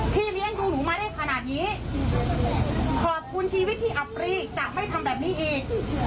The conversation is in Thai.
เลี้ยงดูหนูมาได้ขนาดนี้ขอบคุณชีวิตที่อับปรีจะไม่ทำแบบนี้อีก